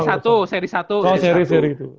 seri satu seri satu oh seri seri itu